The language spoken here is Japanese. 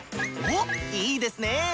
おっいいですね！